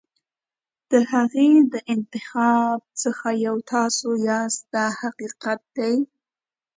د هغې د انتخاب څخه یو تاسو یاست دا حقیقت دی.